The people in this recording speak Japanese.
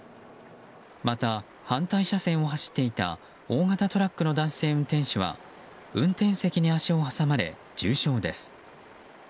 また、反対車線を走っていた大型トラックの男性運転手は運転席に足を挟まれ重傷です。